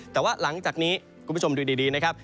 แต่ว่าหลังจากนี้คุณผู้ชมดูดีนะครับ